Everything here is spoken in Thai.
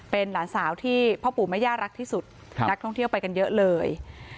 เป็นหลานสาวที่พ่อปู่แม่ย่ารักที่สุดนักท่องเที่ยวไปกันเยอะเลย